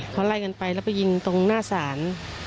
เขาไล่กันไปแล้วไปยิงตรงหน้าศาล